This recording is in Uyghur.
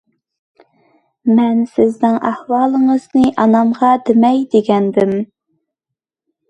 مەن سىزنىڭ ئەھۋالىڭىزنى ئانامغا دېمەي، دېگەنىدىم.